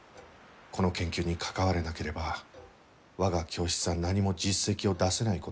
この研究に関われなければ我が教室は何も実績を出せないことになる。